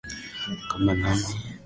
Kaa nami Bwana yesu